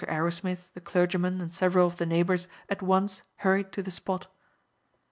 Arrowsmith, the clergyman, and several of the neighbours at once hurried to the spot.